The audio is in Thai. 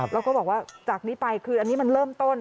แล้วก็บอกว่าจากนี้ไปคืออันนี้มันเริ่มต้น